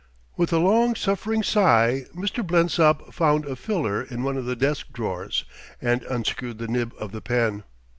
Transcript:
With a long suffering sigh, Mr. Blensop found a filler in one of the desk drawers, and unscrewed the nib of the pen.